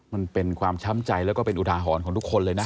มันเป็นความช้ำใจแล้วก็เป็นอุทาหรณ์ของทุกคนเลยนะ